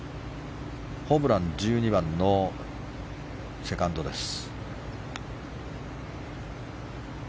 ホブラン１２番のセカンドです。